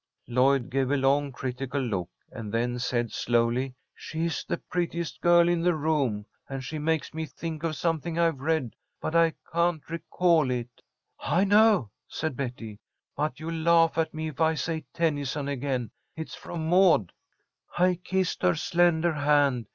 Lloyd gave a long, critical look, and then said, slowly: "She's the prettiest girl in the room, and she makes me think of something I've read, but I can't recall it." "I know," said Betty, "but you'll laugh at me if I say Tennyson again. It's from 'Maud' "'I kissed her slender hand.